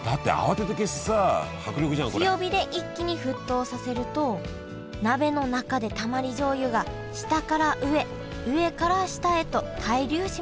強火で一気に沸騰させると鍋の中でたまり醤油が下から上上から下へと対流します。